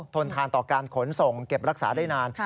ทนทานต่อการขนส่งเก็บรักษาได้นาน